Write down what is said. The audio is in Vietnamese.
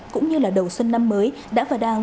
cũng như là đầu xuân năm mới đã và đang